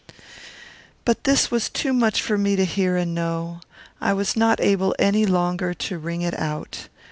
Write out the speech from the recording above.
"But it was too much for me to hear and to know; I was not able any longer to ring it out.